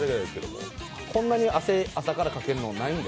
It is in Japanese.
こんなに朝からかけるのないんで。